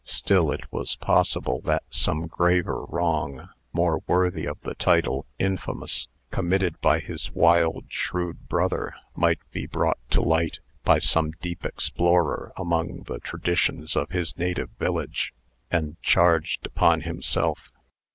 Still it was possible that some graver wrong more worthy of the title "infamous" committed by his wild, shrewd brother, might be brought to light by some deep explorer among the traditions of his native village, and charged upon himself.